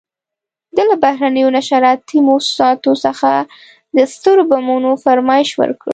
ده له بهرنیو نشراتي موسساتو څخه د سترو بمونو فرمایش وکړ.